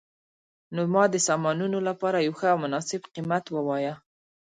نو ما د سامانونو لپاره یو ښه او مناسب قیمت وواایه